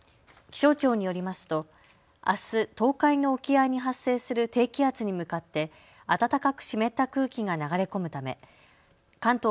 気象庁によりますとあす東海の沖合に発生する低気圧に向かって暖かく湿った空気が流れ込むため関東